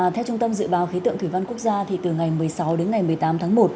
theo trung tâm dự báo khí tượng thủy văn quốc gia từ ngày một mươi sáu đến ngày một mươi tám tháng một